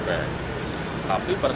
tapi perangkatnya tidak berjalan dengan baik